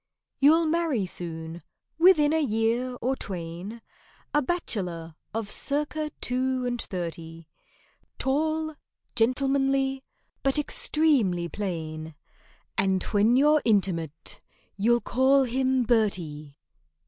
You'll marry soon—within a year or twain— A bachelor of circa two and thirty: Tall, gentlemanly, but extremely plain, And when you're intimate, you'll call him "BERTIE."